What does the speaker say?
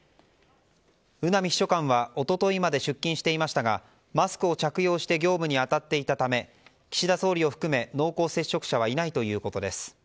宇波秘書官は一昨日まで出勤していましたがマスクを着用して業務に当たっていたため岸田総理を含め濃厚接触者はいないということです。